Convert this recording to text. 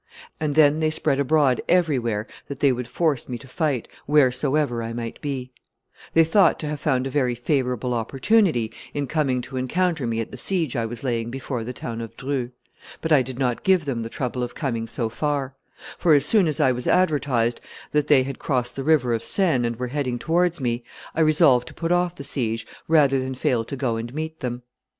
And then they spread abroad everywhere that they would force me to fight, wheresoever I might be; they thought to have found a very favorable opportunity in coming to encounter me at the siege I was laying before the town of Dreux; but I did not give them the trouble of coming so far; for, as soon as I was advertised that they had crossed the river of Seine and were heading towards me, I resolved to put off the siege rather than fail to go and meet them.